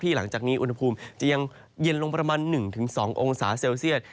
หลังจากนี้อุณหภูมิจะยังเย็นลงประมาณ๑๒องศาเซลเซียต